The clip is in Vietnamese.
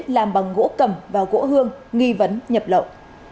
làm bằng gỗ cầm và gỗ hương nghi vấn nhập lậu